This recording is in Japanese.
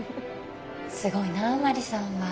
すごいなあ真理さんは